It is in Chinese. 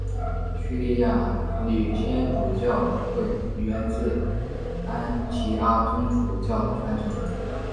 叙利亚礼天主教会源自安提阿宗主教的传承。